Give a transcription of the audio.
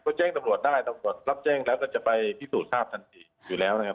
ก็แจ้งตำรวจได้ตำรวจรับแจ้งแล้วก็จะไปพิสูจน์ทราบทันทีอยู่แล้วนะครับ